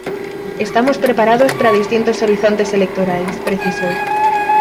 "Estamos preparados para distintos horizontes electorais", precisou.